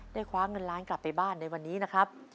คว้าเงินล้านกลับไปบ้านในวันนี้นะครับ